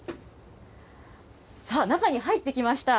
さあ、中に入ってきました。